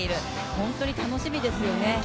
本当に楽しみですよね。